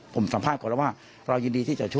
ผมสัมภาษณ์ก่อนแล้วว่าเรายินดีที่จะช่วย